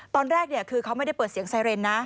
ตอนแรกคือเขาไม่ได้เปิดเสียงไซเรนนะ